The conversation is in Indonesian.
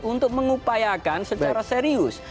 untuk mengupayakan secara serius